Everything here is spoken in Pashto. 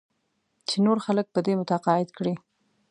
چې نور خلک په دې متقاعد کړې.